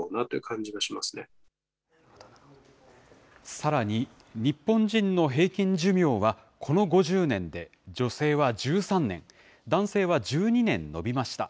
さらに、日本人の平均寿命はこの５０年で、女性は１３年、男性は１２年延びました。